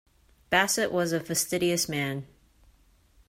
Bassett was a fastidious man.